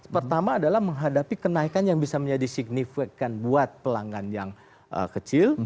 pertama adalah menghadapi kenaikan yang bisa menjadi signifikan buat pelanggan yang kecil